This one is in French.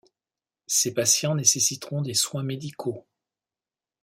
Ces patients nécessiteront des soins médicaux.